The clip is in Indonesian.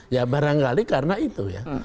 ya barangkali karena itu ya